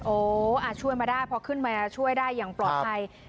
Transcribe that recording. โอ้ช่วยมาได้พอขึ้นมาช่วยได้อย่างปลอดภัย